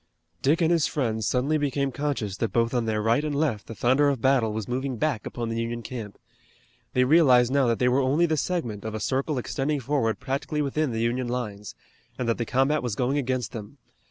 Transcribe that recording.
Dick and his friends suddenly became conscious that both on their right and left the thunder of battle was moving back upon the Union camp. They realized now that they were only the segment of a circle extending forward practically within the Union lines, and that the combat was going against them.